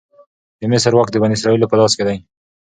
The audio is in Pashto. د مصر واک د بنی اسرائیلو په لاس کې شو.